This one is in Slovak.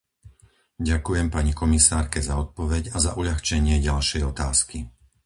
Ďakujem pani komisárke za odpoveď a za uľahčenie ďalšej otázky.